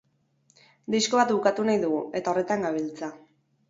Disko bat bukatu nahi dugu, eta horretan gabiltza.